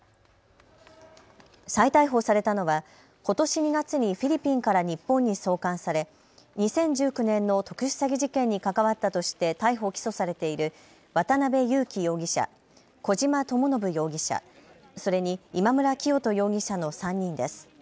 再逮捕されたのはことし２月にフィリピンから日本に送還され２０１９年の特殊詐欺事件に関わったとして逮捕・起訴されている渡邉優樹容疑者、小島智信容疑者、それに今村磨人容疑者の３人です。